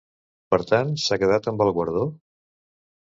Per tant, s'ha quedat amb el guardó?